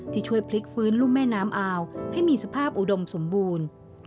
ที่ช่วยพลิกฟื้นลุ่มแม่น้ำอาวให้มีสภาพอุดมสมบูรณ์